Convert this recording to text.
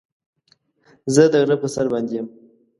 زه د غره په سر باندې يم.